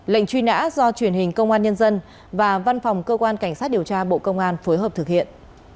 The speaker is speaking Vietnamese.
lệnh truy nã do truyền hình công an nhân dân và văn phòng cơ quan cảnh sát điều tra bộ công an phối hợp thực hiện